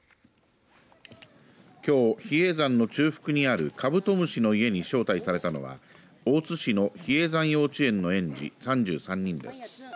きょう比叡山の中腹にあるかぶと虫の家に招待されたのは大津市の比叡山幼稚園の園児３３人です。